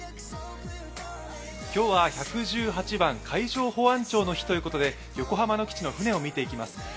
今日は１１８番海上保安庁の日ということで横浜の基地の船を見ていきます